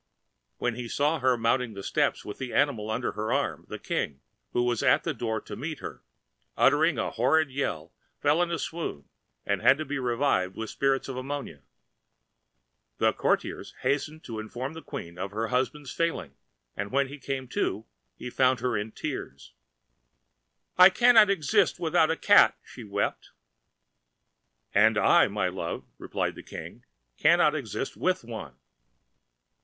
When he saw her mounting the steps with the animal under her arm, the King, who was at the door to meet her, uttering a horrid yell, fell in a swoon and had to be revived with spirits[Pg 221] of ammonia. The courtiers hastened to inform the Queen of her husband's failing, and when he came to, he found her in tears. "I cannot exist without a cat!" she wept. "And I, my love," replied the King, "cannot exist with one!"